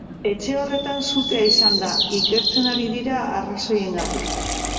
Etxe horretan sutea izan da, ikertzen ari diren arrazoiengatik.